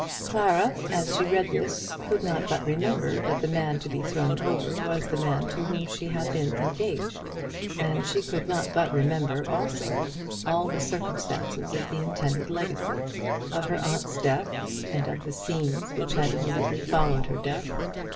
Clara, as she read this, could not but remember that the man to be thrown over was the man to whom she had been engaged, and she could not but remember also all the circumstances of the intended legacy, of her aunt's death, and of the scenes which had immediately followed her death.